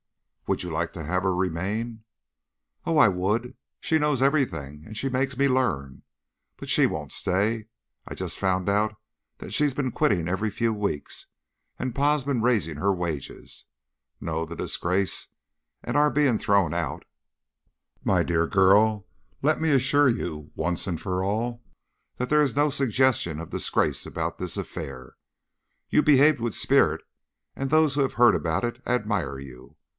"Would you like to have her remain?" "Oh, I would! She knows everything, and she makes me learn. But she won't stay. I just found out that she's been quitting every few weeks, and Pa's been raising her wages. No, the disgrace, and our being thrown out " "My dear girl, let me assure you, once for all, there is no suggestion of disgrace about this affair. You behaved with spirit, and those who have heard about it admire you.